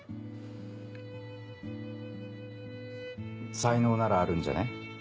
才能ならあるんじゃね？